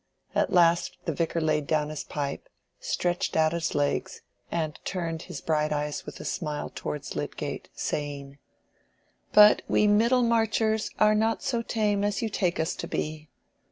At last the Vicar laid down his pipe, stretched out his legs, and turned his bright eyes with a smile towards Lydgate, saying— "But we Middlemarchers are not so tame as you take us to be.